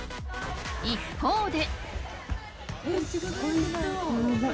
一方で。